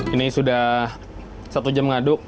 ini sudah satu jam mengaduk